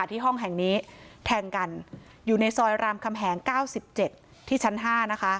ที่ห้องแห่งนี้แทงกันอยู่ในซอยรามคำแหง๙๗ที่ชั้น๕นะคะ